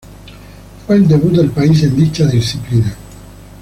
Fue el debut del país en dicha disciplina.